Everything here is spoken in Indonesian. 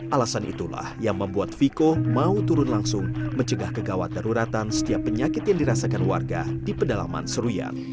alasan itulah yang membuat viko mau turun langsung mencegah kegawat daruratan setiap penyakit yang dirasakan warga di pedalaman seruyan